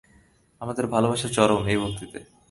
আমাদের ভালোবাসার চরম এই ভক্তিতে।